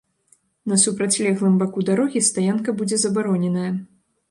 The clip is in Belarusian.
На супрацьлеглым баку дарогі стаянка будзе забароненая.